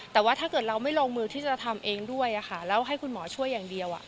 แต่ว่าถ้าเกิดเราไม่ลงมือที่จะทำเองด้วยแล้วให้คุณหมอช่วยอย่างเดียว